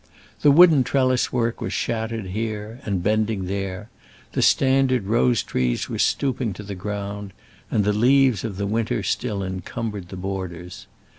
The wooden trellis work was shattered here and bending there, the standard rose trees were stooping to the ground, and the leaves of the winter still encumbered the borders.